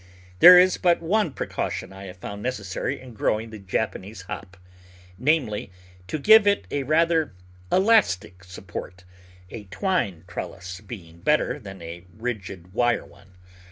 There is but one precaution I have found neces sary in growing the Japanese Hop : namely, to give it a rather elastic support, a twine trellis being better than a rigid wire one.